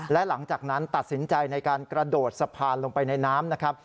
และหลังจากนั้นตัดสินใจในการกระโดดสะพานลงไปในน้ำนะครับ